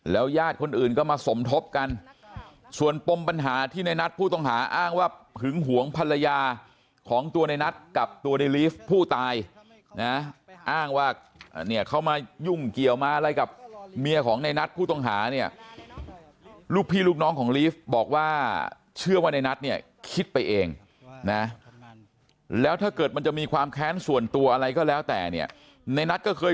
ญาติคนอื่นก็มาสมทบกันส่วนปมปัญหาที่ในนัทผู้ต้องหาอ้างว่าหึงหวงภรรยาของตัวในนัทกับตัวในลีฟผู้ตายนะอ้างว่าเนี่ยเขามายุ่งเกี่ยวมาอะไรกับเมียของในนัทผู้ต้องหาเนี่ยลูกพี่ลูกน้องของลีฟบอกว่าเชื่อว่าในนัทเนี่ยคิดไปเองนะแล้วถ้าเกิดมันจะมีความแค้นส่วนตัวอะไรก็แล้วแต่เนี่ยในนัทก็เคย